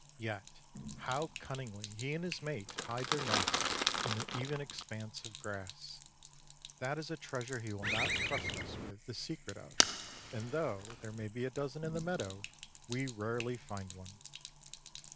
Yet how cunningly he and his mate hide their nest in the even expanse of grass. That is a treasure he will not trust us with the secret of, and, though there may be a dozen in the meadow, we rarely find one.